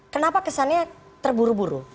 kenapa kesannya terburu buru